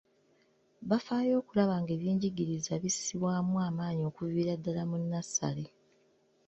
Bafaayo okulaba nga ebyenjigiriza bissibwamu amaanyi okuviira ddala mu nnassale.